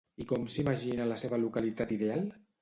I com s'imagina la seva localitat ideal?